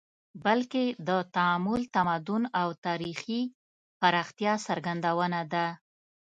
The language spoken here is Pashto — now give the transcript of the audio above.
بلکې د تعامل، تمدن او تاریخي پراختیا څرګندونه ده